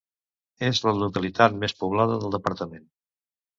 És la localitat més poblada del departament.